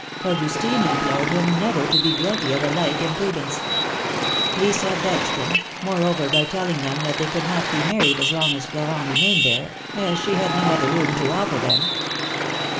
Augustine implored him never to be guilty of a like imprudence. Lisa vexed them, moreover, by telling them that they could not be married as long as Florent remained there, as she had no other room to offer them.